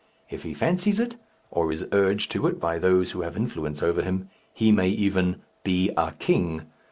If he fancies it, or is urged to it by those who have influence over him, he may even "be a king!"